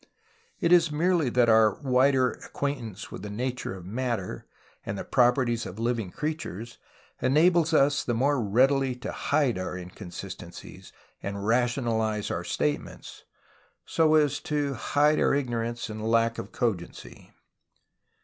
It is merely that our wider acquaintance with the nature of matter and the properties of living creatures enables us the more readily to hide our inconsistencies and rationalize our statements so as to hide our ignorance and lack of cogency.